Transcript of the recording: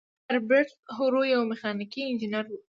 هربرت هوور یو میخانیکي انجینر و.